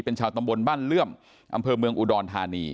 เป็นชาวตำบลบ้านเลื่อมอำเภอเมืองอุดรธานี